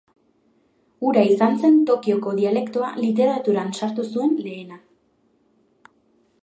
Hura izan zen Tokioko dialektoa literaturan sartu zuen lehena.